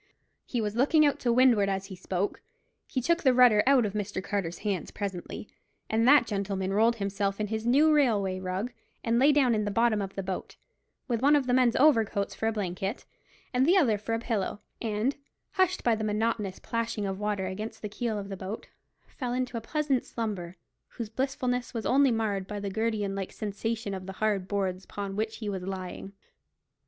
He was looking out to windward as he spoke. He took the rudder out of Mr. Carter's hands presently, and that gentleman rolled himself in his new railway rug, and lay down in the bottom of the boat, with one of the men's overcoats for a blanket and the other for a pillow, and, hushed by the monotonous plashing of the water against the keel of the boat, fell into a pleasant slumber, whose blissfulness was only marred by the gridiron like sensation of the hard boards upon which he was lying.